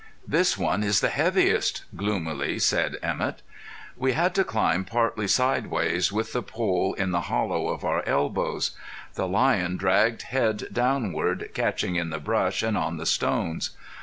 "This one is the heaviest," gloomily said Emett. We had to climb partly sidewise with the pole in the hollow of our elbows. The lion dragged head downward, catching in the brush and on the stones.